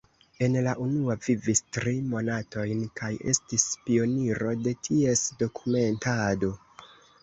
En la unua vivis tri monatojn kaj estis pioniro de ties dokumentado.